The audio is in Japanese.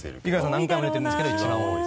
何回も出てるんですけど一番多い。